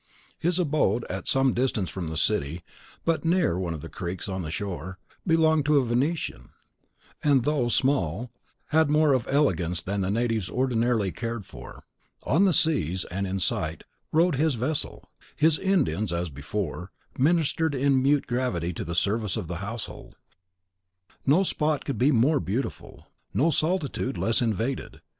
His abode, at some distance from the city, but near one of the creeks on the shore, belonged to a Venetian, and, though small, had more of elegance than the natives ordinarily cared for. On the seas, and in sight, rode his vessel. His Indians, as before, ministered in mute gravity to the service of the household. No spot could be more beautiful, no solitude less invaded.